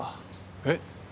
えっ。